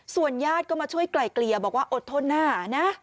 ญาติก็มาช่วยไกล่เกลี่ยบอกว่าอดทนหน้านะ